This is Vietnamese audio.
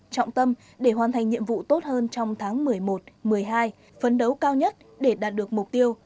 trọng tâm để hoàn thành nhiệm vụ tốt hơn trong tháng một mươi một một mươi hai phấn đấu cao nhất để đạt được mục tiêu